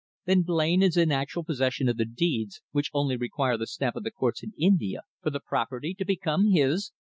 "Then Blain is in actual possession of the deeds, which only require the stamp of the courts in India for the property to become his?"